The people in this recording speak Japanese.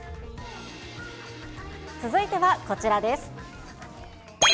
続いてはこちらです。